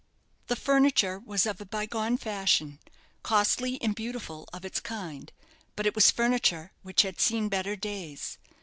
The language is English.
The furniture was of a bygone fashion, costly and beautiful of its kind; but it was furniture which had seen better days.